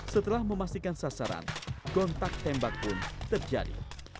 setelah memastikan sasaran kontak tembak pun terjadi